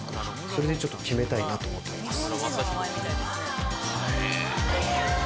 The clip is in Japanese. それでちょっと決めたいなと思ってます。